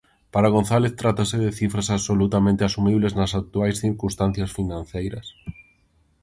Para González, trátase de cifras absolutamente asumibles nas actuais circunstancias financeiras.